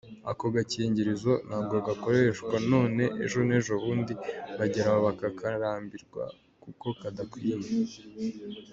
Ako gakingirizo ntabwo gakoreshwa none, ejo n’ejo bundi, bageraho bakakarambirwa kuko kadakwiye.